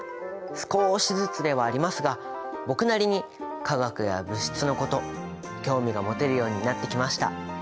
少しずつではありますが僕なりに化学や物質のこと興味が持てるようになってきました。